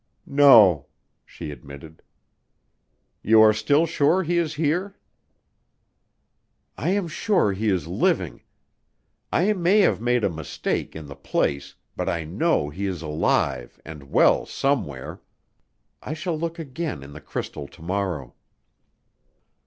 "No," she admitted. "You are still sure he is here?" "I am still sure he is living. I may have made a mistake in the place, but I know he is alive and well somewhere. I shall look again in the crystal to morrow."